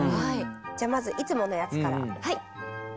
まずいつものやつから。